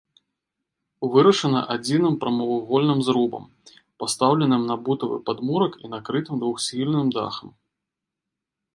Вырашана адзіным прамавугольным зрубам, пастаўленым на бутавы падмурак і накрытым двухсхільным дахам.